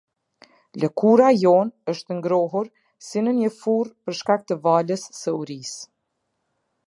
Lëkura jonë është ngrohur si në një furrë për shkak të valës së urisë.